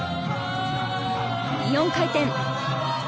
４回転。